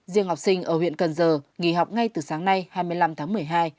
riêng học sinh ở huyện cần giờ nghỉ học ngay từ sáng nay hai mươi năm tháng một mươi hai